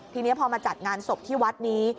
ทีนี้พอมาจัดงานศพที่วัดนี้